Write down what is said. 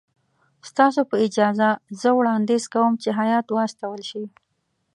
ستاسو په اجازه زه وړاندیز کوم چې هیات واستول شي.